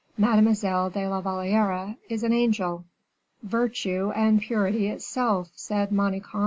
"Mademoiselle de la Valliere is an angel." "Virtue and purity itself," said Manicamp.